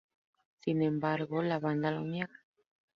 Sin embargo, la banda lo niega.